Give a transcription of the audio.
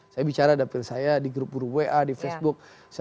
saya bicara dapil saya di grup grup wa di facebook